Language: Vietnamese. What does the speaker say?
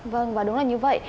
vâng và đúng là như vậy